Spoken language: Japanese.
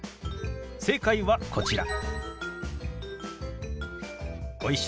正解はこちら。